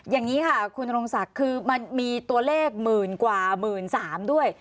อย่างนี้ค่ะคุณนรงศักดิ์คือมันมีตัวเลขหมื่นกว่า๑๓๐๐ด้วย